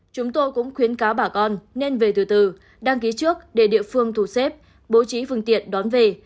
chúng tôi cũng khuyến cáo bà con nên về từ từ đăng ký trước để địa phương thu xếp bố trí phương tiện đón về